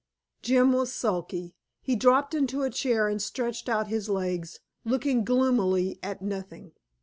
Jim was sulky. He dropped into a chair and stretched out his legs, looking gloomily at nothing.